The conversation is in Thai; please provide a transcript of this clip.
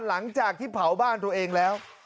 หลังจากที่เผาบ้านตัวเองแล้ว